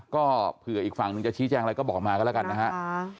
ก็เผื่ออีกฝั่งหนึ่งจะชี้แจ้งอะไรก็บอกมาก็แล้วกันนะฮะ